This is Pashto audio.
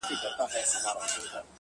ماهى چي هر وخت له اوبو راوکاږې، تازه وي.